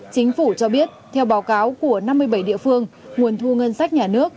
chính phủ cho biết theo báo cáo của năm mươi bảy địa phương nguồn thu ngân sách nhà nước